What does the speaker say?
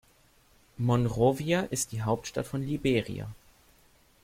Monrovia ist die Hauptstadt von Liberia.